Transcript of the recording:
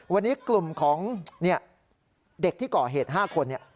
วันนี้กลุ่มของเนี่ยเด็กที่เกาะเหตุ๕คนเนี่ย